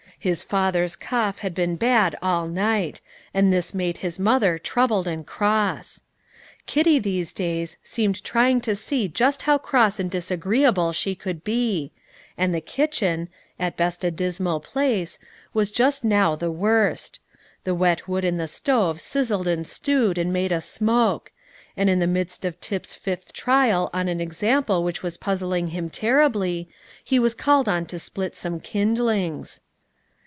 His father's cough had been bad all night, and this made his mother troubled and cross. Kitty, these days, seemed trying to see just how cross and disagreeable she could be; and the kitchen at best a dismal place was just now at the worst. The wet wood in the stove sizzled and stewed and made a smoke; and in the midst of Tip's fifth trial on an example which was puzzling him terribly, he was called on to split some kindlings.